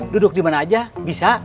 duduk di mana aja bisa